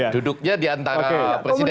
duduknya di antara presiden